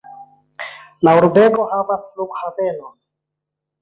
La urbego havas flughavenon.